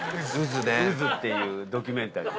「渦」っていうドキュメンタリー。